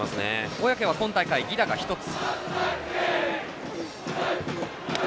小宅は今大会、犠打が１つ。